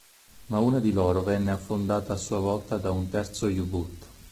Ma una di loro venne affondata a sua volta da un terzo U-Boot.